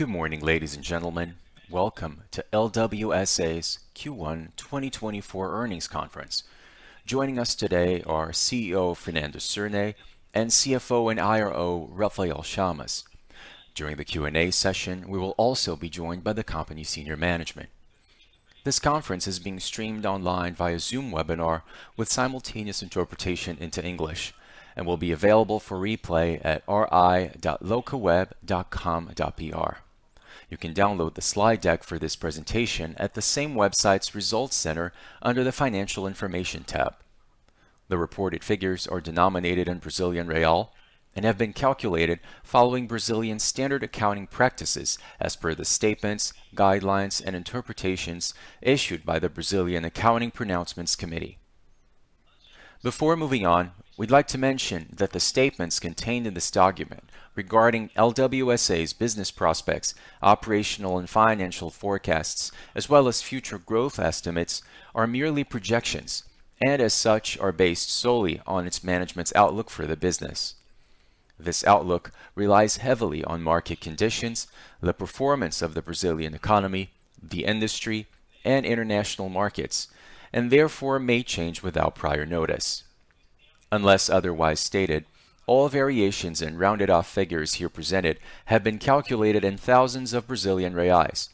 Good morning, ladies and gentlemen. Welcome to LWSA's Q1 2024 earnings conference. Joining us today are CEO Fernando Cirne and CFO and IRO Rafael Chamas. During the Q&A session, we will also be joined by the company's senior management. This conference is being streamed online via Zoom webinar with simultaneous interpretation into English, and will be available for replay at ri.locaweb.com.br. You can download the slide deck for this presentation at the same website's Results Center under the Financial Information tab. The reported figures are denominated in Brazilian real and have been calculated following Brazilian standard accounting practices as per the statements, guidelines, and interpretations issued by the Brazilian Accounting Pronouncements Committee. Before moving on, we'd like to mention that the statements contained in this document regarding LWSA's business prospects, operational and financial forecasts, as well as future growth estimates are merely projections and, as such, are based solely on its management's outlook for the business. This outlook relies heavily on market conditions, the performance of the Brazilian economy, the industry, and international markets, and therefore may change without prior notice. Unless otherwise stated, all variations in rounded-off figures here presented have been calculated in thousands of Brazilian reais.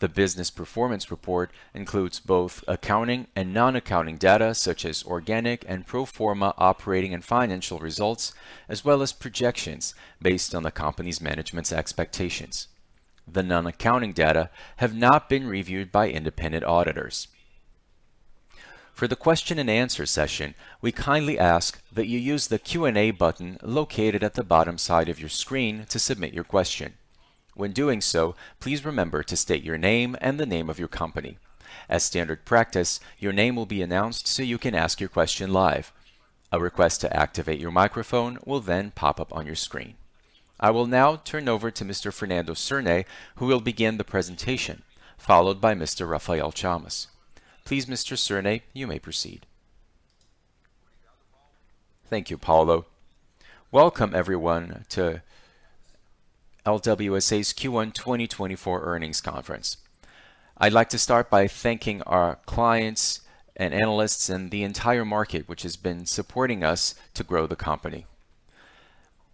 The business performance report includes both accounting and non-accounting data such as organic and pro forma operating and financial results, as well as projections based on the company's management's expectations. The non-accounting data have not been reviewed by independent auditors. For the question-and-answer session, we kindly ask that you use the Q&A button located at the bottom side of your screen to submit your question. When doing so, please remember to state your name and the name of your company. As standard practice, your name will be announced so you can ask your question live. A request to activate your microphone will then pop up on your screen. I will now turn over to Mr. Fernando Cirne, who will begin the presentation, followed by Mr. Rafael Chamas. Please, Mr. Cirne, you may proceed. Thank you, Paulo. Welcome, everyone, to LWSA's Q1 2024 earnings conference. I'd like to start by thanking our clients and analysts and the entire market which has been supporting us to grow the company.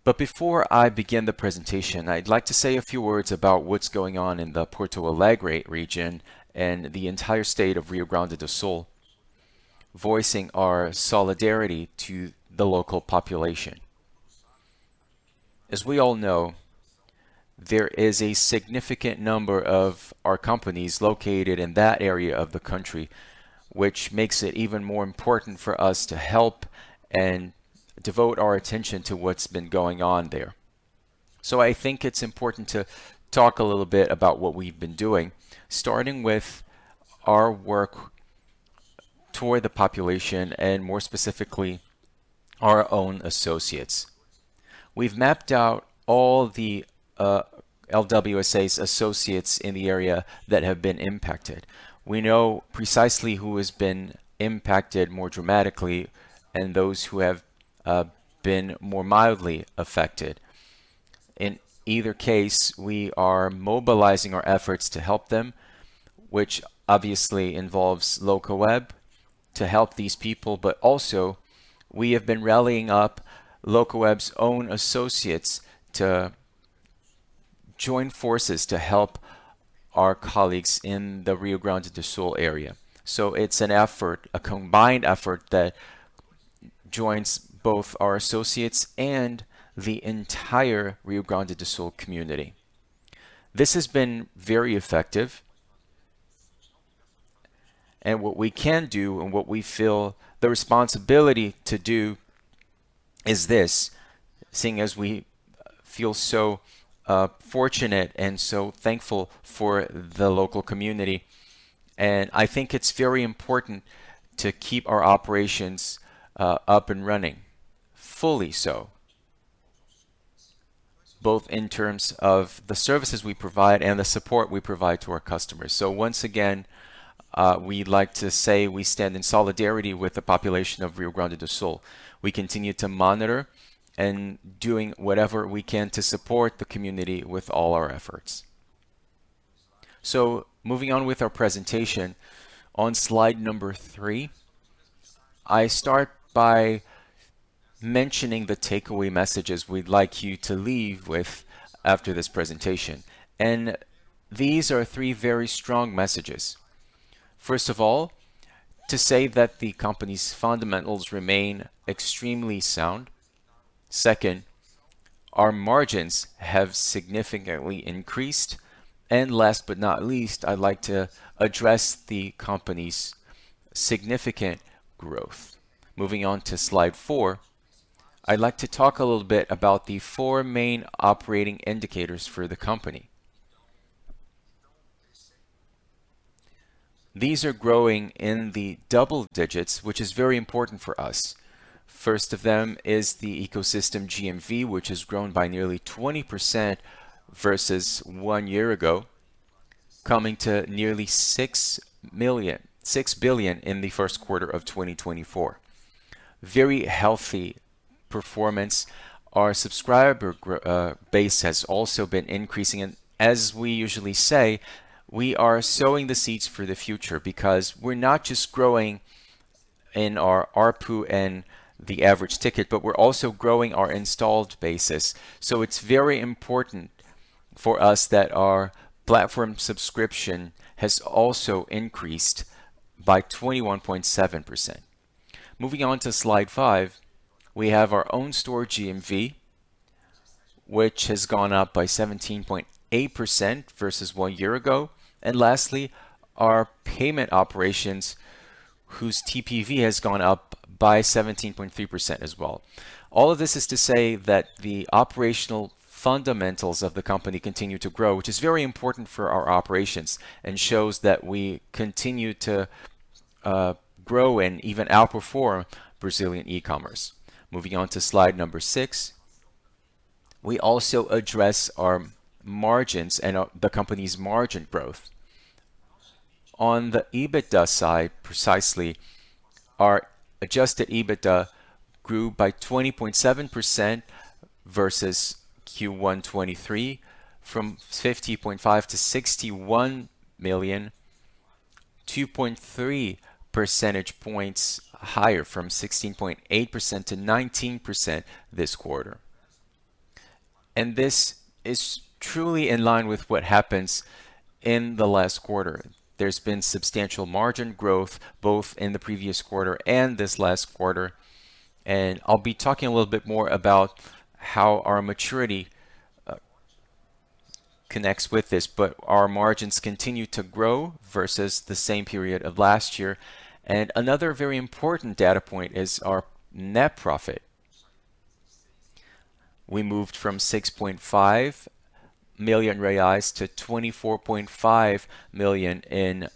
But before I begin the presentation, I'd like to say a few words about what's going on in the Porto Alegre region and the entire state of Rio Grande do Sul, voicing our solidarity to the local population. As we all know, there is a significant number of our companies located in that area of the country, which makes it even more important for us to help and devote our attention to what's been going on there. So I think it's important to talk a little bit about what we've been doing, starting with our work toward the population and, more specifically, our own associates. We've mapped out all the LWSA's associates in the area that have been impacted. We know precisely who has been impacted more dramatically and those who have been more mildly affected. In either case, we are mobilizing our efforts to help them, which obviously involves Locaweb to help these people, but also we have been rallying up Locaweb's own associates to join forces to help our colleagues in the Rio Grande do Sul area. So it's a combined effort that joins both our associates and the entire Rio Grande do Sul community. This has been very effective. What we can do and what we feel the responsibility to do is this, seeing as we feel so fortunate and so thankful for the local community. I think it's very important to keep our operations up and running, fully so, both in terms of the services we provide and the support we provide to our customers. Once again, we'd like to say we stand in solidarity with the population of Rio Grande do Sul. We continue to monitor and doing whatever we can to support the community with all our efforts. Moving on with our presentation, on slide number 3, I start by mentioning the takeaway messages we'd like you to leave with after this presentation. These are three very strong messages. First of all, to say that the company's fundamentals remain extremely sound. Second, our margins have significantly increased. And last but not least, I'd like to address the company's significant growth. Moving on to slide 4, I'd like to talk a little bit about the four main operating indicators for the company. These are growing in the double digits, which is very important for us. First of them is the ecosystem GMV, which has grown by nearly 20% versus one year ago, coming to nearly 6 billion in the first quarter of 2024. Very healthy performance. Our subscriber base has also been increasing. And as we usually say, we are sowing the seeds for the future because we're not just growing in our ARPU and the average ticket, but we're also growing our installed basis. So it's very important for us that our platform subscription has also increased by 21.7%. Moving on to slide 5, we have our own store GMV, which has gone up by 17.8% versus one year ago. And lastly, our payment operations, whose TPV has gone up by 17.3% as well. All of this is to say that the operational fundamentals of the company continue to grow, which is very important for our operations and shows that we continue to grow and even outperform Brazilian e-commerce. Moving on to slide number 6, we also address our margins and the company's margin growth. On the EBITDA side, precisely, our adjusted EBITDA grew by 20.7% versus Q1 2023, from 50.5 million to 61 million, 2.3 percentage points higher, from 16.8% to 19% this quarter. This is truly in line with what happens in the last quarter. There's been substantial margin growth both in the previous quarter and this last quarter. I'll be talking a little bit more about how our maturity connects with this, but our margins continue to grow versus the same period of last year. Another very important data point is our net profit. We moved from 6.5 million reais to 24.5 million in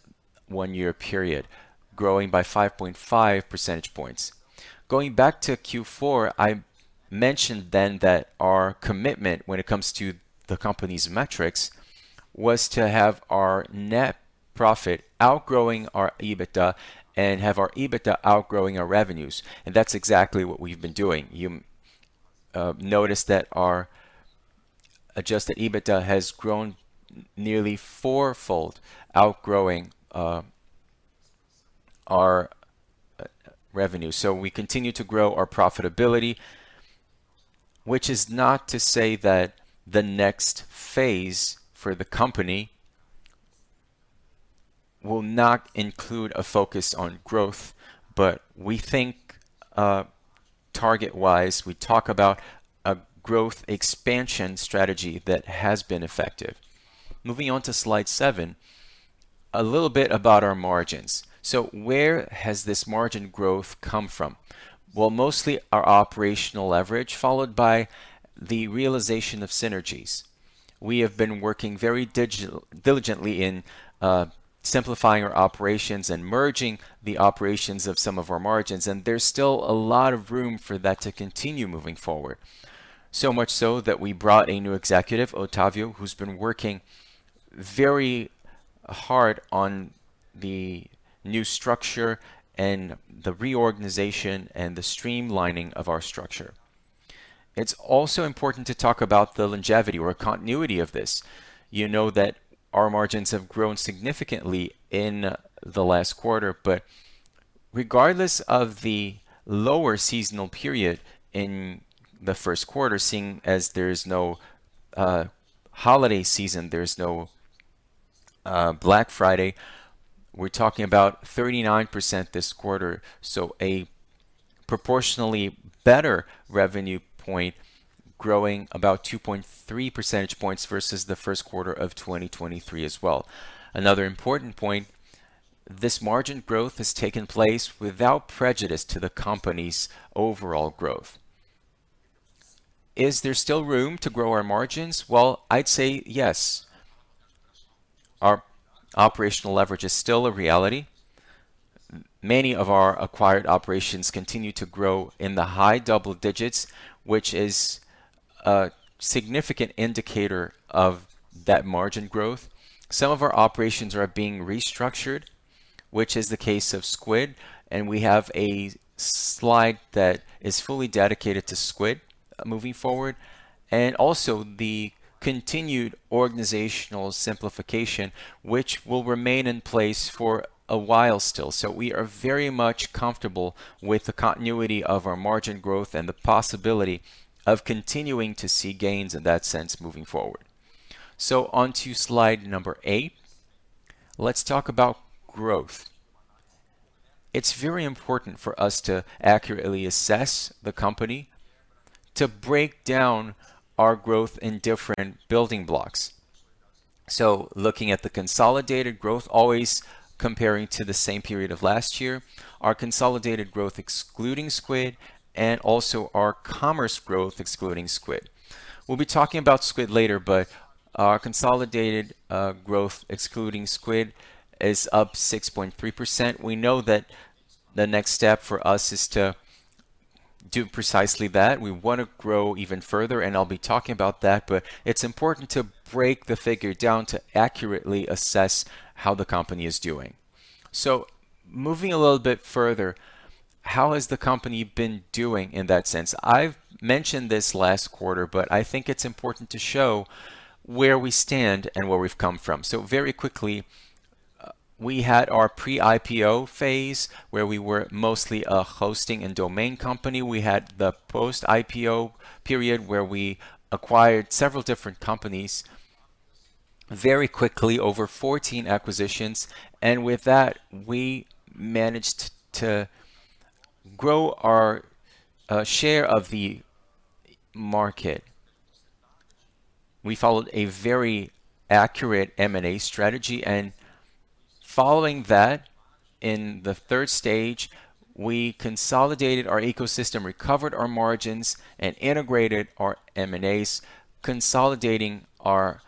one-year period, growing by 5.5 percentage points. Going back to Q4, I mentioned then that our commitment, when it comes to the company's metrics, was to have our net profit outgrowing our EBITDA and have our EBITDA outgrowing our revenues. That's exactly what we've been doing. You noticed that our adjusted EBITDA has grown nearly fourfold, outgrowing our revenues. We continue to grow our profitability, which is not to say that the next phase for the company will not include a focus on growth, but we think, target-wise, we talk about a growth expansion strategy that has been effective. Moving on to slide 7, a little bit about our margins. Where has this margin growth come from? Well, mostly our operational leverage, followed by the realization of synergies. We have been working very diligently in simplifying our operations and merging the operations of some of our margins, and there's still a lot of room for that to continue moving forward, so much so that we brought a new executive, Otávio, who's been working very hard on the new structure and the reorganization and the streamlining of our structure. It's also important to talk about the longevity or continuity of this. You know that our margins have grown significantly in the last quarter, but regardless of the lower seasonal period in the first quarter, seeing as there's no holiday season, there's no Black Friday, we're talking about 39% this quarter, so a proportionally better revenue point, growing about 2.3 percentage points versus the first quarter of 2023 as well. Another important point, this margin growth has taken place without prejudice to the company's overall growth. Is there still room to grow our margins? Well, I'd say yes. Our operational leverage is still a reality. Many of our acquired operations continue to grow in the high double digits, which is a significant indicator of that margin growth. Some of our operations are being restructured, which is the case of Squid, and we have a slide that is fully dedicated to Squid moving forward, and also the continued organizational simplification, which will remain in place for a while still. So we are very much comfortable with the continuity of our margin growth and the possibility of continuing to see gains in that sense moving forward. So onto slide number 8, let's talk about growth. It's very important for us to accurately assess the company, to break down our growth in different building blocks. So looking at the consolidated growth, always comparing to the same period of last year, our consolidated growth excluding Squid, and also our commerce growth excluding Squid. We'll be talking about Squid later, but our consolidated growth excluding Squid is up 6.3%. We know that the next step for us is to do precisely that. We want to grow even further, and I'll be talking about that, but it's important to break the figure down to accurately assess how the company is doing. So moving a little bit further, how has the company been doing in that sense? I've mentioned this last quarter, but I think it's important to show where we stand and where we've come from. So very quickly, we had our pre-IPO phase where we were mostly a hosting and domain company. We had the post-IPO period where we acquired several different companies very quickly, over 14 acquisitions. And with that, we managed to grow our share of the market. We followed a very accurate M&A strategy. And following that, in the third stage, we consolidated our ecosystem, recovered our margins, and integrated our M&As, consolidating our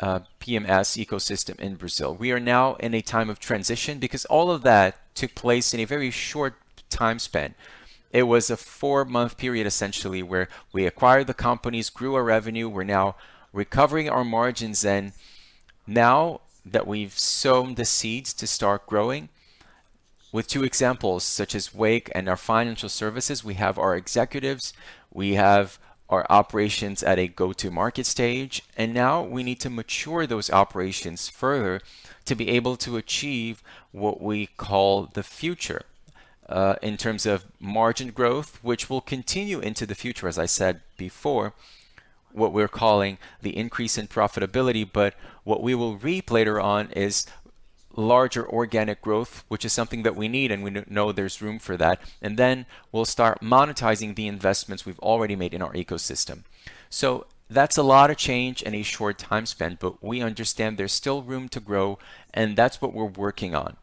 PMS ecosystem in Brazil. We are now in a time of transition because all of that took place in a very short time span. It was a four-month period, essentially, where we acquired the companies, grew our revenue, we're now recovering our margins. And now that we've sown the seeds to start growing, with two examples such as Wake and our financial services, we have our executives, we have our operations at a go-to-market stage, and now we need to mature those operations further to be able to achieve what we call the future in terms of margin growth, which will continue into the future, as I said before, what we're calling the increase in profitability. But what we will reap later on is larger organic growth, which is something that we need, and we know there's room for that. And then we'll start monetizing the investments we've already made in our ecosystem. So that's a lot of change in a short time span, but we understand there's still room to grow, and that's what we're working on.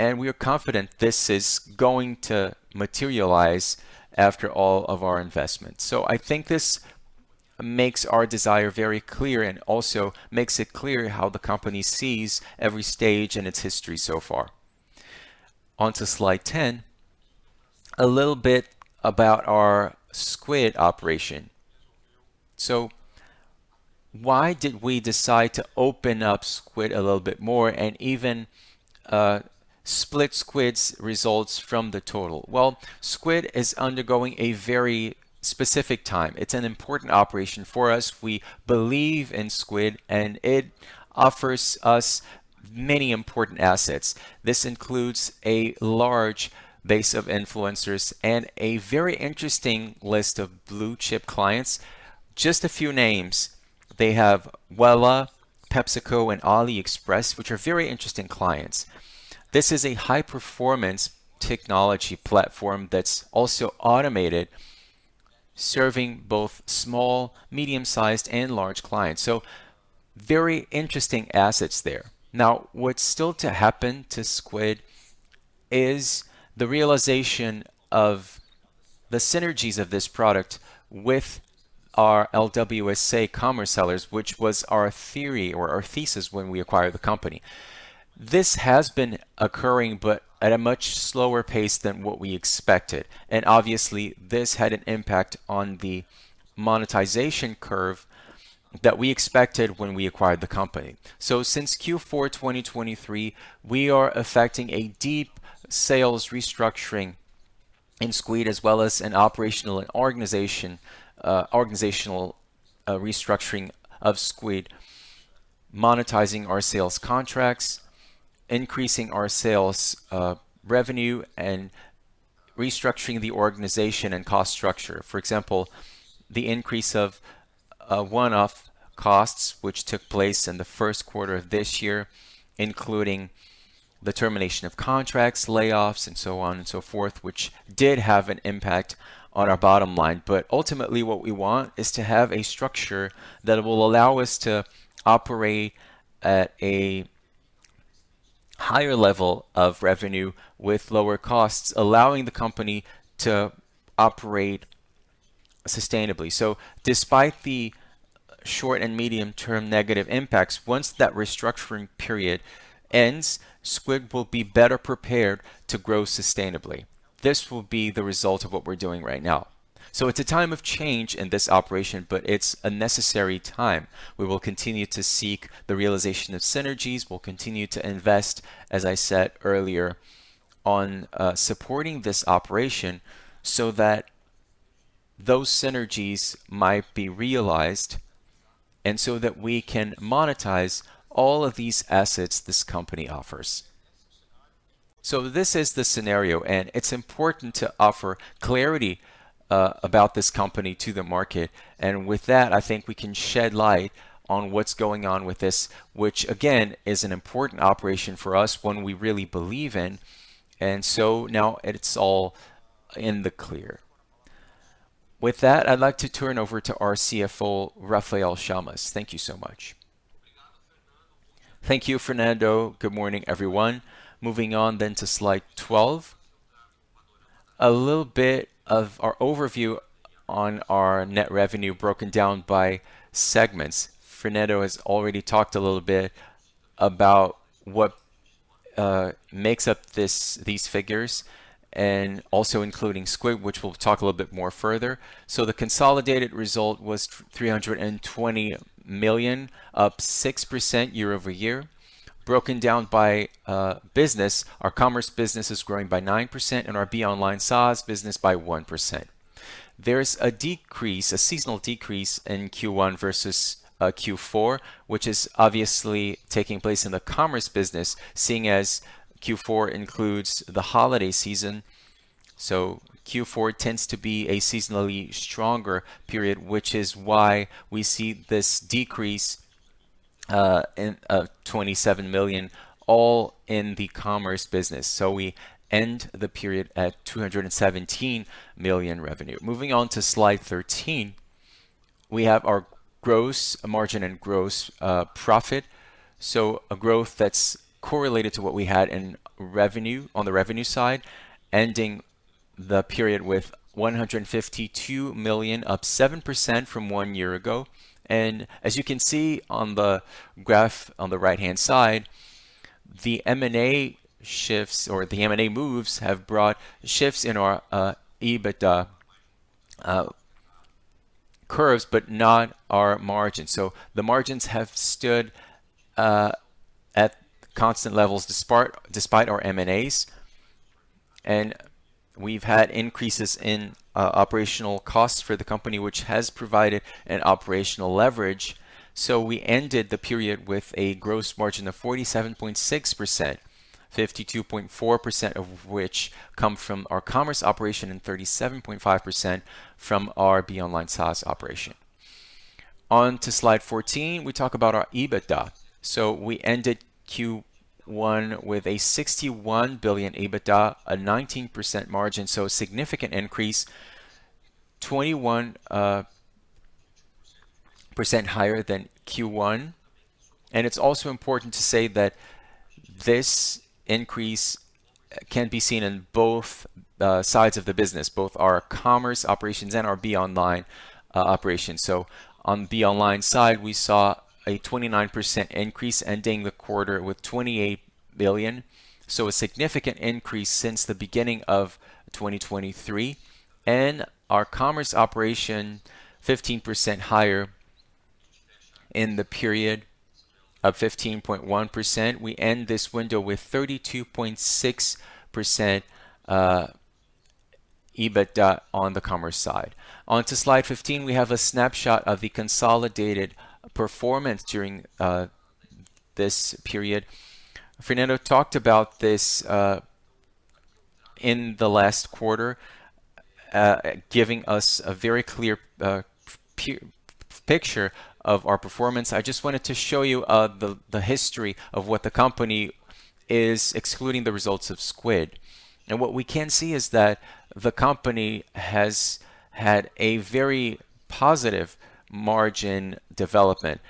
And we are confident this is going to materialize after all of our investments. So I think this makes our desire very clear and also makes it clear how the company sees every stage in its history so far. Onto slide 10, a little bit about our Squid operation. So why did we decide to open up Squid a little bit more and even split Squid's results from the total? Well, Squid is undergoing a very specific time. It's an important operation for us. We believe in Squid, and it offers us many important assets. This includes a large base of influencers and a very interesting list of blue-chip clients. Just a few names: they have Wella, PepsiCo, and AliExpress, which are very interesting clients. This is a high-performance technology platform that's also automated, serving both small, medium-sized, and large clients. So very interesting assets there. Now, what's still to happen to Squid is the realization of the synergies of this product with our LWSA commerce sellers, which was our theory or our thesis when we acquired the company. This has been occurring, but at a much slower pace than what we expected. Obviously, this had an impact on the monetization curve that we expected when we acquired the company. Since Q4 2023, we are affecting a deep sales restructuring in Squid, as well as an organizational restructuring of Squid, monetizing our sales contracts, increasing our sales revenue, and restructuring the organization and cost structure. For example, the increase of one-off costs, which took place in the first quarter of this year, including the termination of contracts, layoffs, and so on and so forth, which did have an impact on our bottom line. Ultimately, what we want is to have a structure that will allow us to operate at a higher level of revenue with lower costs, allowing the company to operate sustainably. Despite the short and medium-term negative impacts, once that restructuring period ends, Squid will be better prepared to grow sustainably. This will be the result of what we're doing right now. It's a time of change in this operation, but it's a necessary time. We will continue to seek the realization of synergies. We'll continue to invest, as I said earlier, on supporting this operation so that those synergies might be realized and so that we can monetize all of these assets this company offers. This is the scenario, and it's important to offer clarity about this company to the market. With that, I think we can shed light on what's going on with this, which, again, is an important operation for us, one we really believe in. So now it's all in the clear. With that, I'd like to turn over to our CFO, Rafael Chamas. Thank you so much. Thank you, Fernando. Good morning, everyone. Moving on then to slide 12, a little bit of our overview on our net revenue, broken down by segments. Fernando has already talked a little bit about what makes up these figures, and also including Squid, which we'll talk a little bit more further. So the consolidated result was 320 million, up 6% year-over-year. Broken down by business, our commerce business is growing by 9%, and our Beyond Line SaaS business by 1%. There's a seasonal decrease in Q1 versus Q4, which is obviously taking place in the commerce business, seeing as Q4 includes the holiday season. So Q4 tends to be a seasonally stronger period, which is why we see this decrease of 27 million all in the commerce business. So we end the period at 217 million revenue. Moving on to slide 13, we have our gross margin and gross profit, so a growth that's correlated to what we had in revenue on the revenue side, ending the period with 152 million, up 7% from one year ago. And as you can see on the graph on the right-hand side, the M&A shifts or the M&A moves have brought shifts in our EBITDA curves, but not our margins. So the margins have stood at constant levels despite our M&As, and we've had increases in operational costs for the company, which has provided an operational leverage. So we ended the period with a gross margin of 47.6%, 52.4% of which come from our commerce operation and 37.5% from our beyond line SaaS operation. Onto slide 14, we talk about our EBITDA. So we ended Q1 with a 61 billion EBITDA, a 19% margin, so a significant increase, 21% higher than Q1. And it's also important to say that this increase can be seen in both sides of the business, both our commerce operations and our beyond line operations. So on the beyond line side, we saw a 29% increase, ending the quarter with 28 billion, so a significant increase since the beginning of 2023, and our commerce operation, 15% higher in the period of 15.1%. We end this window with 32.6% EBITDA on the commerce side. Onto slide 15, we have a snapshot of the consolidated performance during this period. Fernando talked about this in the last quarter, giving us a very clear picture of our performance. I just wanted to show you the history of what the company is excluding the results of Squid. What we can see is that the company has had a very positive margin development.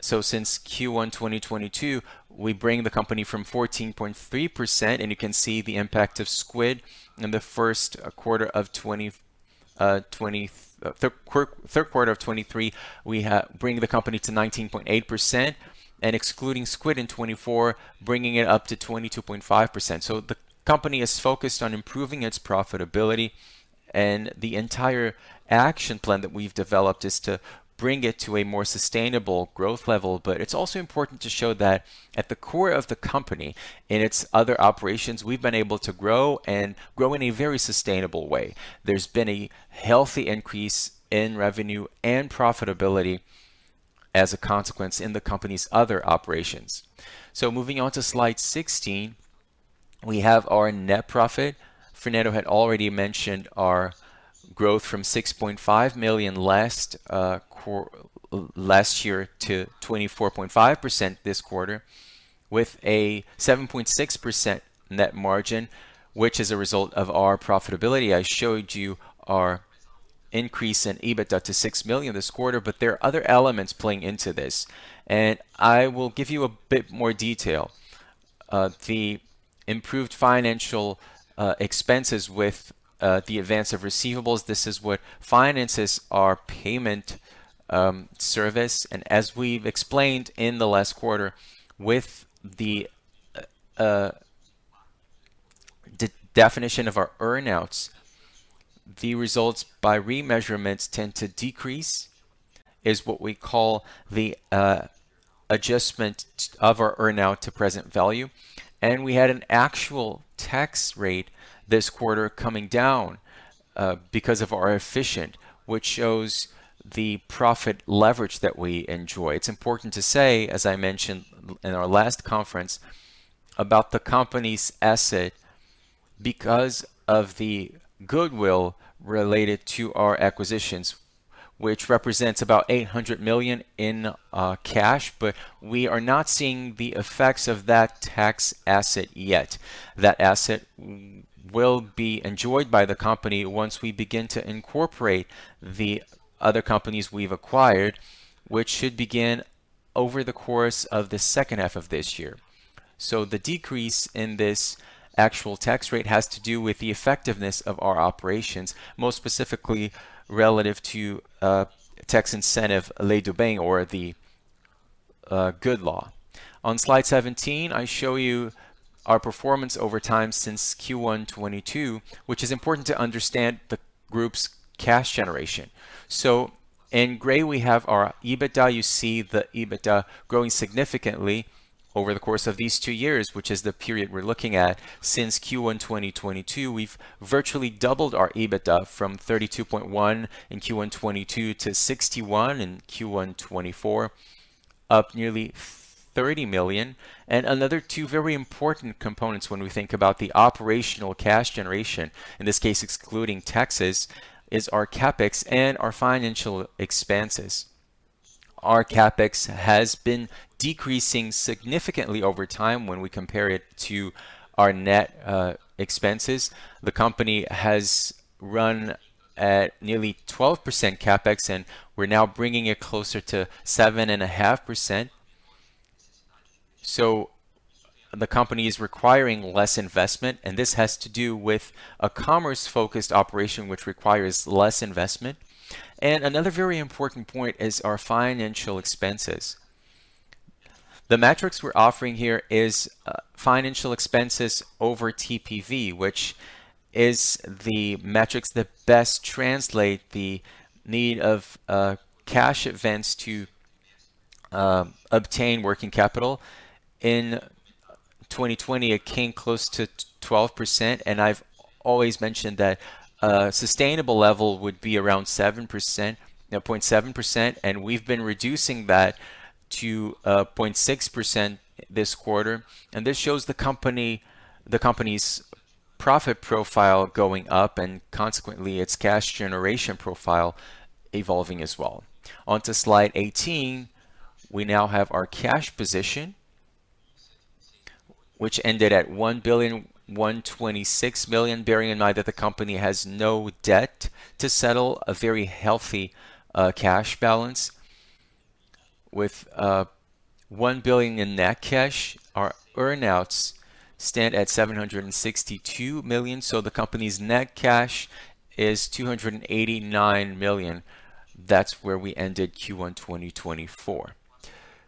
Since Q1 2022, we bring the company from 14.3%, and you can see the impact of Squid in the first quarter of 2023. We bring the company to 19.8%, and excluding Squid in 2024, bringing it up to 22.5%. The company is focused on improving its profitability, and the entire action plan that we've developed is to bring it to a more sustainable growth level. But it's also important to show that at the core of the company and its other operations, we've been able to grow and grow in a very sustainable way. There's been a healthy increase in revenue and profitability as a consequence in the company's other operations. So moving on to slide 16, we have our net profit. Fernando had already mentioned our growth from 6.5 million last year to 24.5% this quarter, with a 7.6% net margin, which is a result of our profitability. I showed you our increase in EBITDA to 6 million this quarter, but there are other elements playing into this, and I will give you a bit more detail. The improved financial expenses with the advance of receivables. This is what finances are: payment, service. And as we've explained in the last quarter, with the definition of our earnouts, the results by remeasurements tend to decrease. This is what we call the adjustment of our earnout to present value. We had an actual tax rate this quarter coming down because of our efficiency, which shows the profit leverage that we enjoy. It's important to say, as I mentioned in our last conference, about the company's asset because of the goodwill related to our acquisitions, which represents about 800 million in cash. But we are not seeing the effects of that tax asset yet. That asset will be enjoyed by the company once we begin to incorporate the other companies we've acquired, which should begin over the course of the second half of this year. So the decrease in this actual tax rate has to do with the effectiveness of our operations, most specifically relative to tax incentive Lei do Bem, or the good law. On slide 17, I show you our performance over time since Q1 2022, which is important to understand the group's cash generation. So in gray, we have our EBITDA. You see the EBITDA growing significantly over the course of these two years, which is the period we're looking at. Since Q1 2022, we've virtually doubled our EBITDA from 32.1 million in Q1 2022 to 61 million in Q1 2024, up nearly 30 million. And another two very important components when we think about the operational cash generation, in this case excluding taxes, is our CAPEX and our financial expenses. Our CAPEX has been decreasing significantly over time when we compare it to our net expenses. The company has run at nearly 12% CAPEX, and we're now bringing it closer to 7.5%. The company is requiring less investment, and this has to do with a commerce-focused operation, which requires less investment. Another very important point is our financial expenses. The metrics we're offering here are financial expenses over TPV, which is the metrics that best translate the need of cash events to obtain working capital. In 2020, it came close to 12%, and I've always mentioned that a sustainable level would be around 0.7%, and we've been reducing that to 0.6% this quarter. This shows the company's profit profile going up, and consequently, its cash generation profile evolving as well. Onto slide 18, we now have our cash position, which ended at 1.126 billion, bearing in mind that the company has no debt to settle, a very healthy cash balance. With 1 billion in net cash, our earnouts stand at 762 million, so the company's net cash is 289 million. That's where we ended Q1 2024.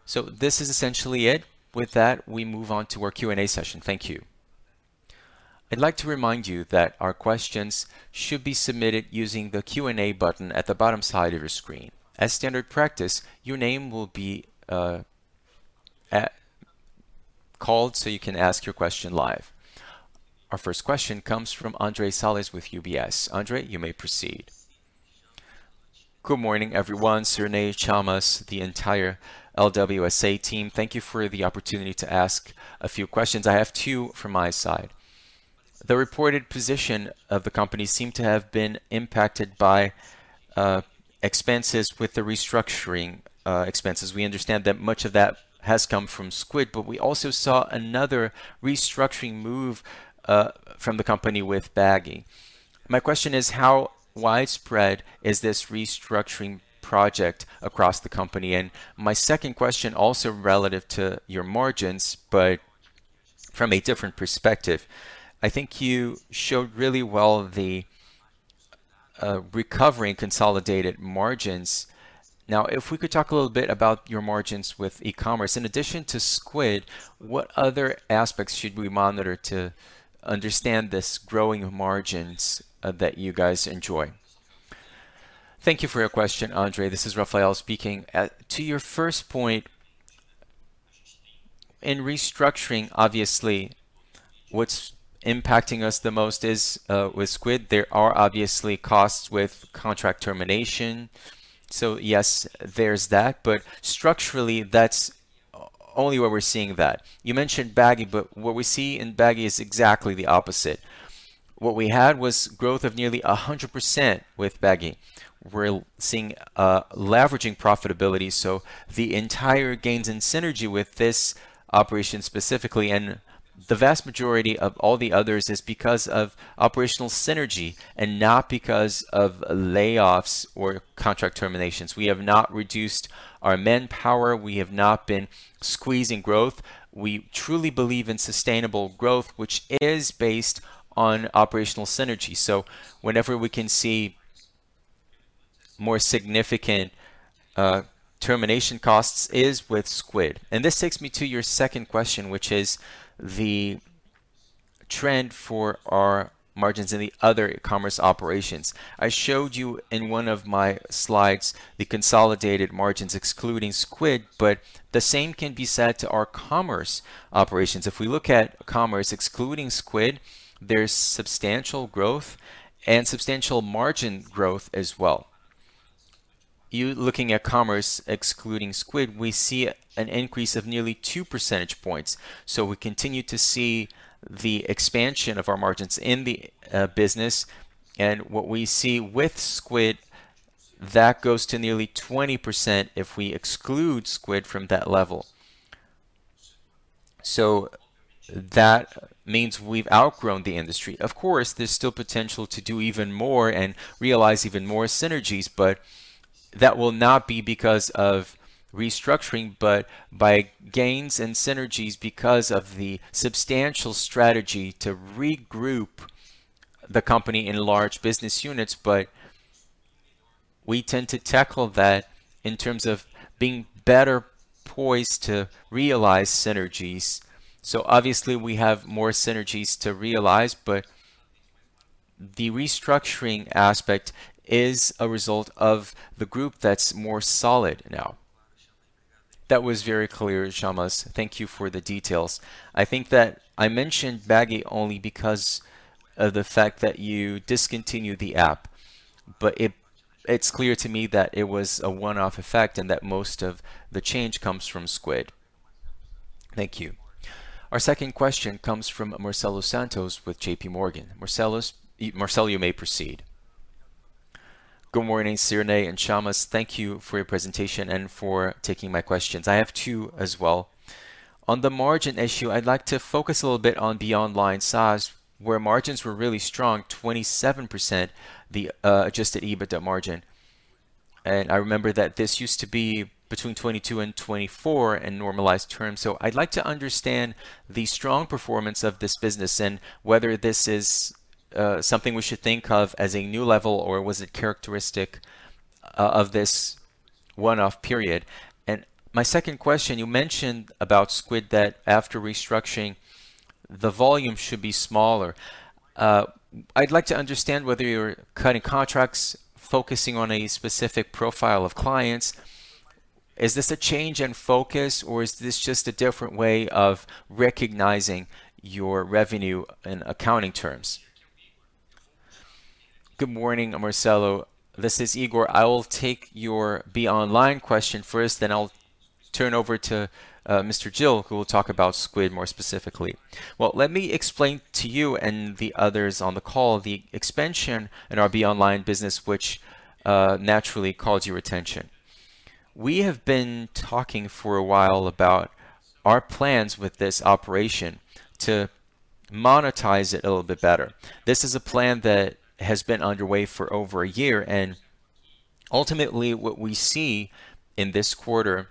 So this is essentially it. With that, we move on to our Q&A session. Thank you. I'd like to remind you that our questions should be submitted using the Q&A button at the bottom side of your screen. As standard practice, your name will be called so you can ask your question live. Our first question comes from André Salles with UBS. André, you may proceed. Good morning, everyone. Rafael Chamas, the entire LWSA team. Thank you for the opportunity to ask a few questions. I have two from my side. The reported position of the company seemed to have been impacted by expenses with the restructuring expenses. We understand that much of that has come from Squid, but we also saw another restructuring move from the company with Bagy. My question is, how widespread is this restructuring project across the company? And my second question, also relative to your margins, but from a different perspective, I think you showed really well the recovering consolidated margins. Now, if we could talk a little bit about your margins with e-commerce. In addition to Squid, what other aspects should we monitor to understand this growing margins that you guys enjoy? Thank you for your question, André. This is Rafael speaking. To your first point, in restructuring, obviously, what's impacting us the most is with Squid. There are obviously costs with contract termination. So yes, there's that, but structurally, that's only where we're seeing that. You mentioned Bagy, but what we see in Bagy is exactly the opposite. What we had was growth of nearly 100% with Bagy. We're seeing leveraging profitability, so the entire gains in synergy with this operation specifically, and the vast majority of all the others, is because of operational synergy and not because of layoffs or contract terminations. We have not reduced our manpower. We have not been squeezing growth. We truly believe in sustainable growth, which is based on operational synergy. So whenever we can see more significant termination costs is with Squid. And this takes me to your second question, which is the trend for our margins in the other e-commerce operations. I showed you in one of my slides the consolidated margins excluding Squid, but the same can be said to our commerce operations. If we look at commerce excluding Squid, there's substantial growth and substantial margin growth as well. Looking at commerce excluding Squid, we see an increase of nearly 2 percentage points. So we continue to see the expansion of our margins in the business, and what we see with Squid, that goes to nearly 20% if we exclude Squid from that level. So that means we've outgrown the industry. Of course, there's still potential to do even more and realize even more synergies, but that will not be because of restructuring, but by gains and synergies because of the substantial strategy to regroup the company in large business units. But we tend to tackle that in terms of being better poised to realize synergies. So obviously, we have more synergies to realize, but the restructuring aspect is a result of the group that's more solid now. That was very clear, Chamas. Thank you for the details. I think that I mentioned Bagy only because of the fact that you discontinued the app, but it's clear to me that it was a one-off effect and that most of the change comes from Squid. Thank you. Our second question comes from Marcelo Santos with J.P. Morgan. Marcelo, you may proceed. Good morning, Cirne and Chamas. Thank you for your presentation and for taking my questions. I have two as well. On the margin issue, I'd like to focus a little bit on beyond line size, where margins were really strong, 27%, the adjusted EBITDA margin. I remember that this used to be between 2022 and 2024 in normalized terms. I'd like to understand the strong performance of this business and whether this is something we should think of as a new level or was it characteristic of this one-off period? My second question, you mentioned about Squid that after restructuring, the volume should be smaller. I'd like to understand whether you're cutting contracts, focusing on a specific profile of clients. Is this a change in focus, or is this just a different way of recognizing your revenue in accounting terms? Good morning, Marcelo. This is Igor. I will take your Beyond Line question first, then I'll turn over to Mr. Gil, who will talk about Squid more specifically. Well, let me explain to you and the others on the call the expansion in our Beyond Line business, which naturally caused your attention. We have been talking for a while about our plans with this operation to monetize it a little bit better. This is a plan that has been underway for over a year, and ultimately, what we see in this quarter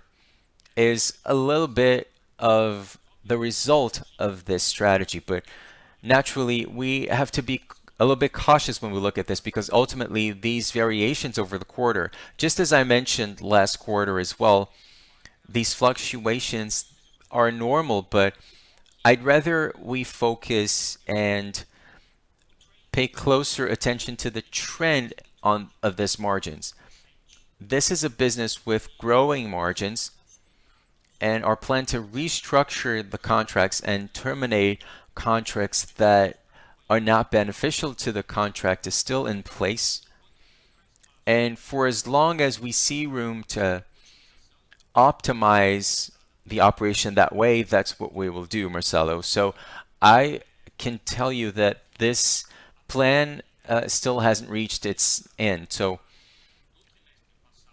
is a little bit of the result of this strategy. But naturally, we have to be a little bit cautious when we look at this because ultimately, these variations over the quarter, just as I mentioned last quarter as well, these fluctuations are normal. But I'd rather we focus and pay closer attention to the trend of these margins. This is a business with growing margins, and our plan to restructure the contracts and terminate contracts that are not beneficial to the contract is still in place. For as long as we see room to optimize the operation that way, that's what we will do, Marcelo. I can tell you that this plan still hasn't reached its end. So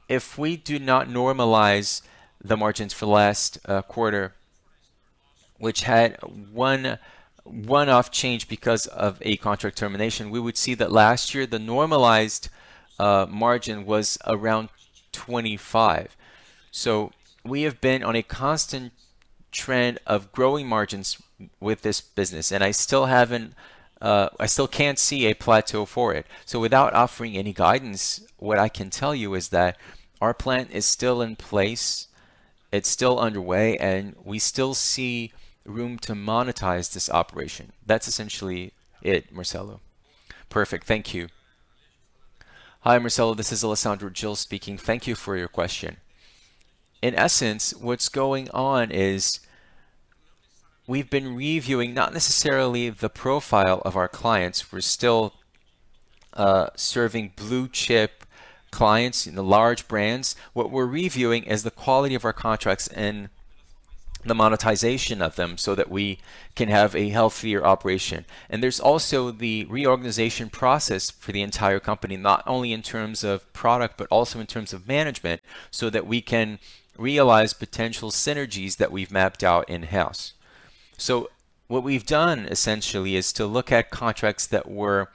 if we do not normalize the margins for last quarter, which had one-off change because of a contract termination, we would see that last year, the normalized margin was around 25%. So we have been on a constant trend of growing margins with this business, and I still can't see a plateau for it. So without offering any guidance, what I can tell you is that our plan is still in place. It's still underway, and we still see room to monetize this operation. That's essentially it, Marcelo. Perfect. Thank you. Hi, Marcelo. This is Alessandro Gil speaking. Thank you for your question. In essence, what's going on is we've been reviewing not necessarily the profile of our clients. We're still serving blue chip clients in the large brands. What we're reviewing is the quality of our contracts and the monetization of them so that we can have a healthier operation. There's also the reorganization process for the entire company, not only in terms of product but also in terms of management, so that we can realize potential synergies that we've mapped out in-house. So what we've done, essentially, is to look at contracts that were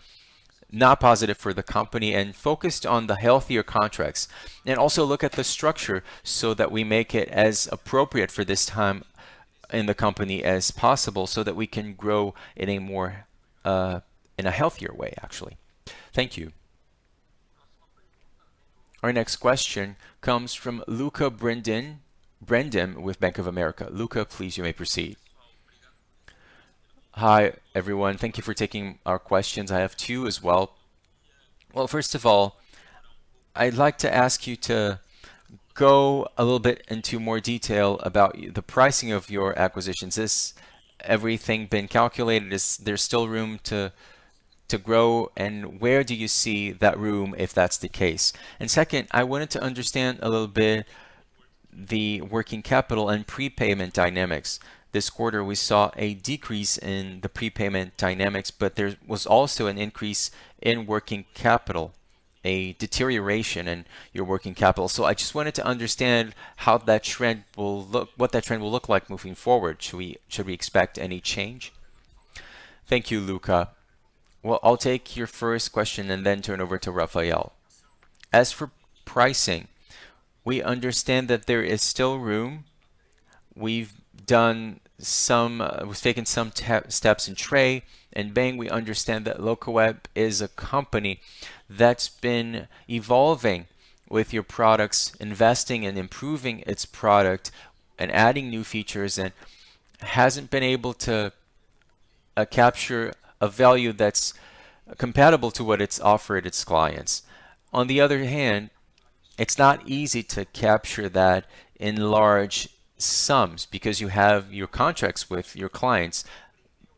not positive for the company and focused on the healthier contracts, and also look at the structure so that we make it as appropriate for this time in the company as possible so that we can grow in a more in a healthier way, actually. Thank you. Our next question comes from Luca Bordin with Bank of America. Luca, please, you may proceed. Hi, everyone. Thank you for taking our questions. I have two as well. Well, first of all, I'd like to ask you to go a little bit into more detail about the pricing of your acquisitions. Has everything been calculated? Is there still room to grow? And where do you see that room, if that's the case? And second, I wanted to understand a little bit the working capital and prepayment dynamics. This quarter, we saw a decrease in the prepayment dynamics, but there was also an increase in working capital, a deterioration in your working capital. So I just wanted to understand how that trend will look, what that trend will look like moving forward. Should we expect any change? Thank you, Luca. Well, I'll take your first question and then turn over to Rafael. As for pricing, we understand that there is still room. We've taken some steps in Tray and Bling. We understand that Locaweb is a company that's been evolving with your products, investing and improving its product and adding new features, and hasn't been able to capture a value that's compatible to what it's offered its clients. On the other hand, it's not easy to capture that in large sums because you have your contracts with your clients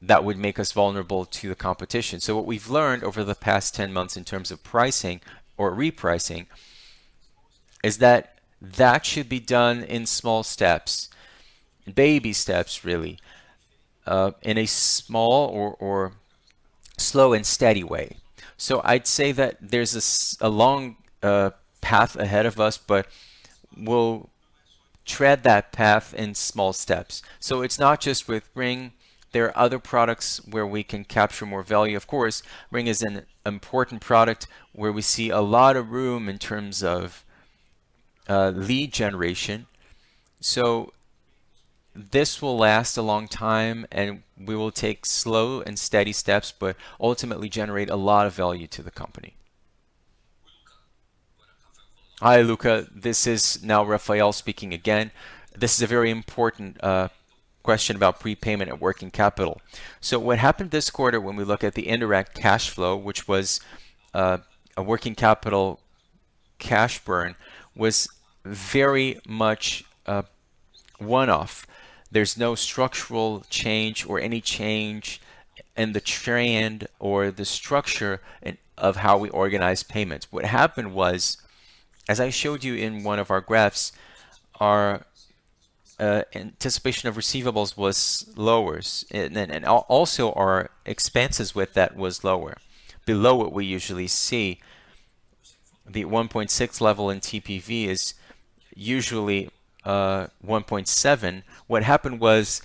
that would make us vulnerable to the competition. So what we've learned over the past 10 months in terms of pricing or repricing is that that should be done in small steps, baby steps, really, in a small or slow and steady way. So I'd say that there's a long path ahead of us, but we'll tread that path in small steps. So it's not just with Bling. There are other products where we can capture more value. Of course, Bling is an important product where we see a lot of room in terms of lead generation. So this will last a long time, and we will take slow and steady steps, but ultimately generate a lot of value to the company. Hi, Luca. This is now Rafael speaking again. This is a very important question about prepayment and working capital. So what happened this quarter when we look at the indirect cash flow, which was a working capital cash burn, was very much one-off. There's no structural change or any change in the trend or the structure of how we organize payments. What happened was, as I showed you in one of our graphs, our anticipation of receivables was lower, and also our expenses with that were lower, below what we usually see. The 1.6 level in TPV is usually 1.7. What happened was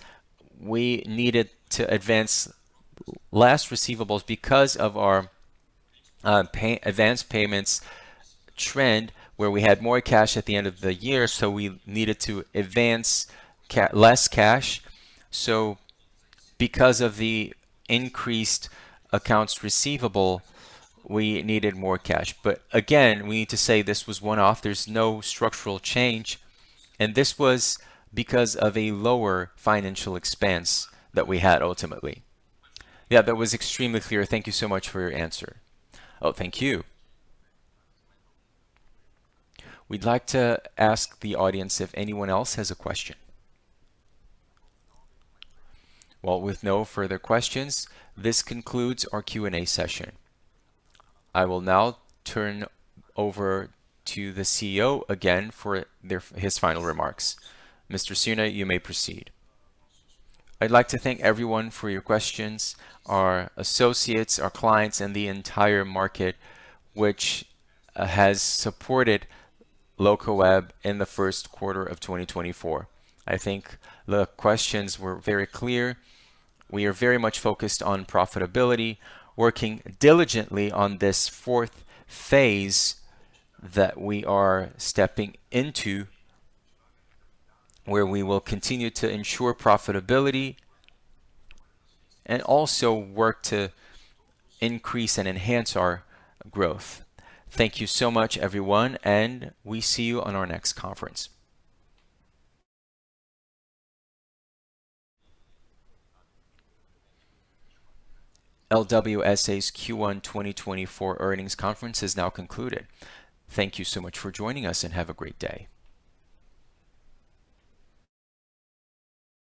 we needed to advance last receivables because of our advance payments trend, where we had more cash at the end of the year, so we needed to advance less cash. So because of the increased accounts receivable, we needed more cash. But again, we need to say this was one-off. There's no structural change, and this was because of a lower financial expense that we had ultimately. Yeah, that was extremely clear. Thank you so much for your answer. Oh, thank you. We'd like to ask the audience if anyone else has a question. Well, with no further questions, this concludes our Q&A session. I will now turn over to the CEO again for his final remarks. Mr. Cirne, you may proceed. I'd like to thank everyone for your questions, our associates, our clients, and the entire market, which has supported Locaweb in the first quarter of 2024. I think the questions were very clear. We are very much focused on profitability, working diligently on this fourth phase that we are stepping into, where we will continue to ensure profitability and also work to increase and enhance our growth. Thank you so much, everyone, and we see you on our next conference. LWSA's Q1 2024 earnings conference has now concluded. Thank you so much for joining us, and have a great day.